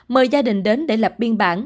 mời gia đình đến để lập biên bản